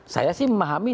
saya sih memahami